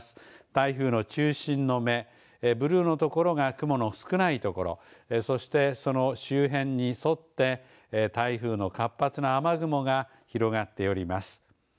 台風の中心の目ブルーのところが雲の少ないところそして、その周辺に沿って台風の活発な雨雲が広がっております。